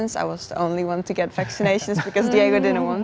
saya hanya yang mendapat vaksinasi karena diego tidak ingin